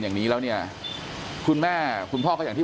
อย่างนี้แล้วเนี่ยคุณแม่คุณพ่อก็อย่างที่